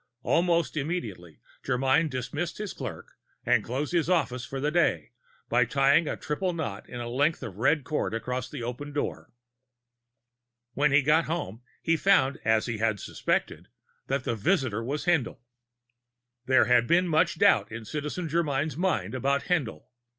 Almost immediately, Germyn dismissed his clerk and closed his office for the day by tying a triple knot in a length of red cord across the open door. When he got to his home, he found, as he had suspected, that the visitor was Haendl. There was much doubt in Citizen Germyn's mind about Haendl.